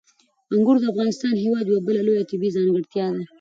انګور د افغانستان هېواد یوه بله لویه طبیعي ځانګړتیا ده.